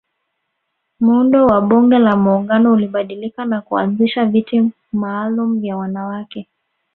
Muundo wa bunge la muungano ulibadilika na kuanzisha viti malumu vya wanawake